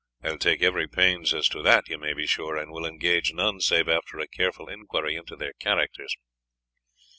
"I will take every pains as to that, you may be sure, and will engage none save after a careful inquiry into their characters."